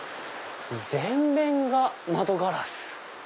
全面が窓ガラス。